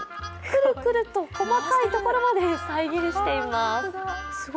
くるくると細かいところまで再現しています。